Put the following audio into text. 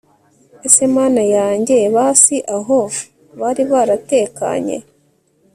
ese mana yanjye basi aho bari baratekanye!